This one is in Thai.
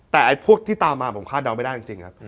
แต่พวกที่ตามมาผมคาดเดาไม่ได้จริงครับ